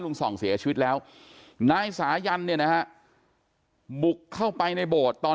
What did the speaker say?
ส่องเสียชีวิตแล้วนายสายันเนี่ยนะฮะบุกเข้าไปในโบสถ์ตอน